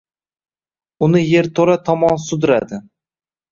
Uni yerto‘la tomon sudradi…